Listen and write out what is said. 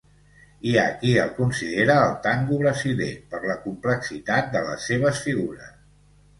Hi ha qui el considera el tango brasiler per la complexitat de les seves figures.